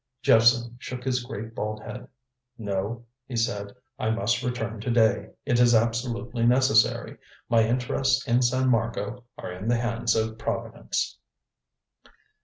Jephson shook his great bald head. "No," he said. "I must return to day. It is absolutely necessary. My interests in San Marco are in the hands of Providence."